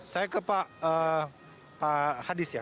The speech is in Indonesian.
saya ke pak hadis ya